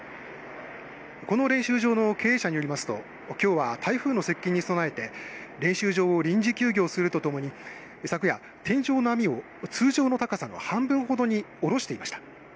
この練習場の経営者によりますと、きょうは台風の接近に備えて、練習場を臨時休業するとともに、昨夜、天井の網を通常の高さの半分ほどにおろしていました。